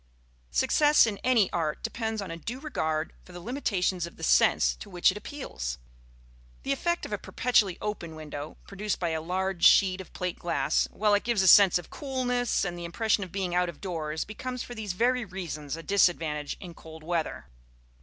Success in any art depends on a due regard for the limitations of the sense to which it appeals. The effect of a perpetually open window, produced by a large sheet of plate glass, while it gives a sense of coolness and the impression of being out of doors, becomes for these very reasons a disadvantage in cold weather.